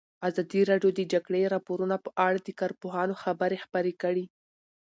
ازادي راډیو د د جګړې راپورونه په اړه د کارپوهانو خبرې خپرې کړي.